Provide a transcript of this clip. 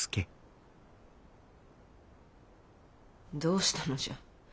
どうしたのじゃ。